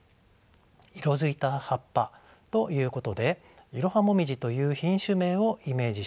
色づいた葉っぱということでイロハモミジという品種名をイメージしたものでしょう。